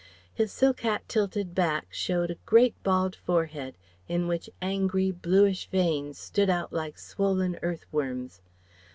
His silk hat tilted back showed a great bald forehead, in which angry, bluish veins stood out like swollen earth worms.